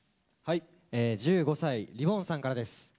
１５歳りぼんさんからです。